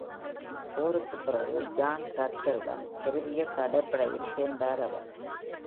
போருக்குப்பிறகு, John டக்கருடன் பெருவியக் கடற்படையில் சேர்ந்தார் அவர்.